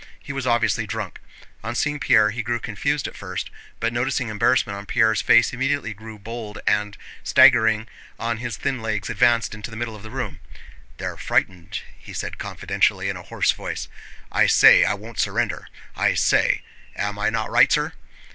He was obviously drunk. On seeing Pierre he grew confused at first, but noticing embarrassment on Pierre's face immediately grew bold and, staggering on his thin legs, advanced into the middle of the room. "They're frightened," he said confidentially in a hoarse voice. "I say I won't surrender, I say... Am I not right, sir?"